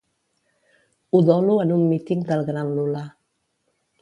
Udolo en un míting del gran Lula.